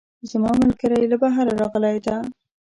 زما ملګرۍ له بهره راغلی ده